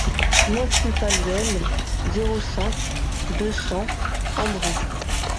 neuf rue Palluel, zéro cinq, deux cents Embrun